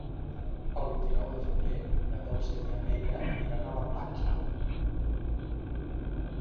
El vint-i-nou de febrer na Dolça i na Neida aniran a la platja.